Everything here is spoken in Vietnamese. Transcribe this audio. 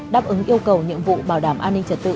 đáp ứng yêu cầu nhiệm vụ bảo đảm an ninh trật tự